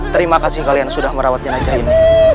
terima kasih kalian sudah merawat jenazah ini